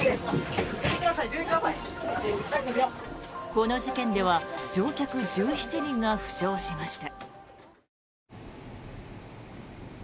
この事件では乗客１７人が負傷しました。